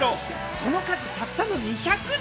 その数たったの２００人！